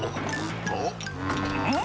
おっうん！